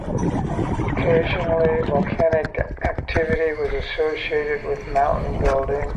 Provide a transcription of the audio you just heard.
Occasionally volcanic activity was associated with the mountain building.